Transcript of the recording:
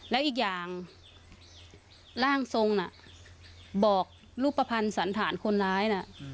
แล้วอีกอย่างร่างทรงน่ะบอกรูปภัณฑ์สันฐานคนร้ายนะ